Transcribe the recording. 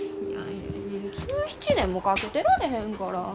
いやいや１７年もかけてられへんから。